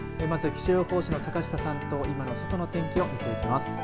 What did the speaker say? まず気象予報士の坂下さんと今の外の天気を見ていきます。